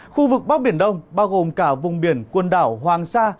khu vực bắc biển đông bao gồm cả vùng biển quần đảo hoàng sa